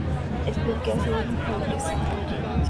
El club que hace de local es O'Higgins.